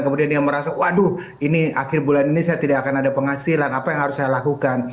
kemudian dia merasa waduh ini akhir bulan ini saya tidak akan ada penghasilan apa yang harus saya lakukan